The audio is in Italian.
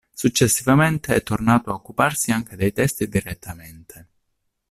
Successivamente è tornato a occuparsi anche dei testi direttamente.